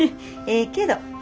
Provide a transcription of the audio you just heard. ええけど。